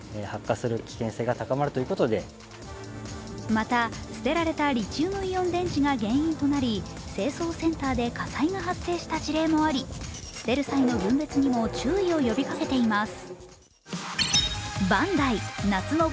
また、捨てられたリチウムイオン電池が原因となり清掃センターで火災が発生した事例もあり捨てる際の分別にも注意を呼びかけています。